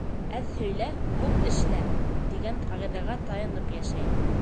«Әҙ һөйлә, күп эшлә!» тигән ҡағиҙәгә таянып йәшәй.